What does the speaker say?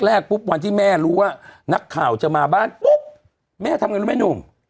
แรกปุ๊บวันที่แม่รู้ว่านักข่าวจะมาบ้านปุ๊บแม่ทำไงรู้ไหมหนุ่ม